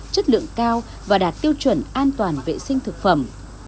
chất lượng cao và đạt tiêu chuẩn an toàn vệ sinh thực phẩm